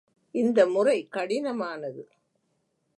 இந்த முறை கடினமானது.